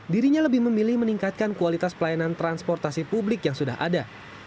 dirinya lebih memilih meningkatkan kualitas pelayanan transportasi publik yang sudah ada